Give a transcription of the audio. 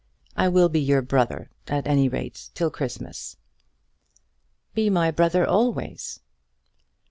I will be your brother, at any rate till Christmas." "Be my brother always."